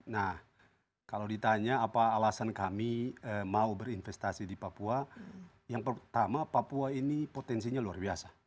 nah kalau ditanya apa alasan kami mau berinvestasi di papua yang pertama papua ini potensinya luar biasa